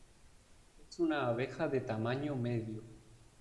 Es una abeja de tamaño medio.